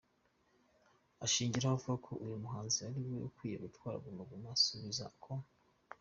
ashingiraho avuga ko uyu muhanzi ari we ukwiriye gutwara Guma Guma, asubiza ko.